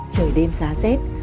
trời đêm giá rét